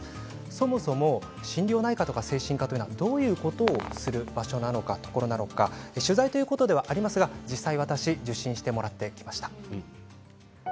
そもそも心療内科、精神科ではどんなことをする場所なのか取材ということでありますが実際に私受診させてもらいました。